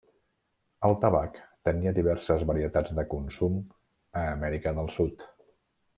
El tabac tenia diverses varietats de consum a Amèrica del Sud.